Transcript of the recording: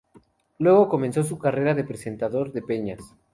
Luego comenzó su carrera de presentador de peñas.